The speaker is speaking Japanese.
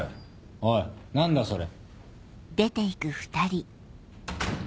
おい何だそれ。